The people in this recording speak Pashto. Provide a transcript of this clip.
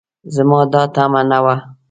زما دا تمعه نه وه